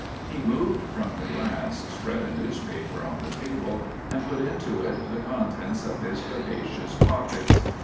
He moved from the glass, spread a newspaper on the table, and put into it the contents of his capacious pockets.